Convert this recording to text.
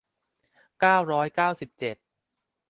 เก้าร้อยเก้าสิบเจ็ด